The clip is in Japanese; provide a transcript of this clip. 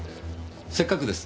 せっかくです。